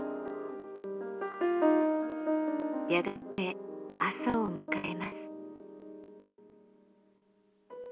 やがて朝を迎えます。